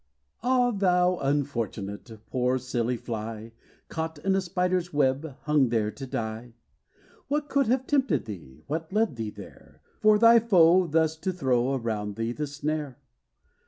Ah, thou unfortunate! Poor, silly fly, Caught in the spider's web, Hung there to die! What could have tempted thee? What led thee there, For thy foe, thus to throw Around thee the snare?